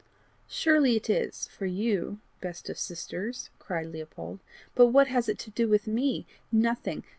"Surely it is for you, best of sisters," cried Leopold; "but what has it to do with me? Nothing.